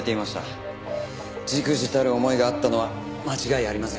忸怩たる思いがあったのは間違いありません。